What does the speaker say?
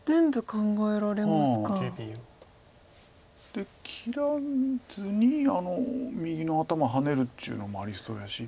で切らずに右の頭ハネるっていうのもありそうやし。